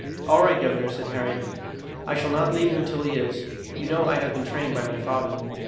"All right, governor," said Harry, "I shall not leave him till he is; you know I have been trained by my father."